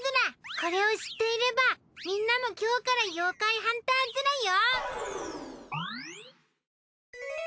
これを知っていればみんなも今日から妖怪ハンターズラよ！